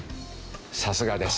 さすがです。